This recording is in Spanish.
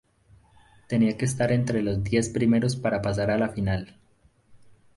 Tenía que estar entre los diez primeros para pasar a la final.